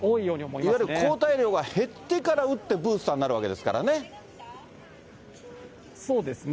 いわゆる抗体量が減ってから打って、ブースターになるわけでそうですね。